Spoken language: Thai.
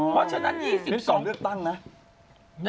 เพราะฉะนั้น๒๒เลือกตั้งนะ